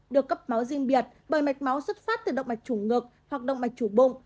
được cấp máu riêng biệt bởi mạch máu xuất phát từ động mạch chủ ngực hoặc động mạch chủ bụng